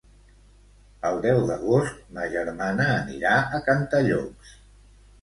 El deu d'agost ma germana anirà a Cantallops.